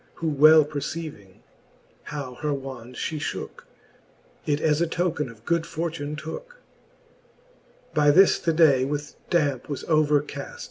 Who well perceiving, how her wand fhe fhooke. It as a token of good fortune tooke. By this the day with dampe was overcaft.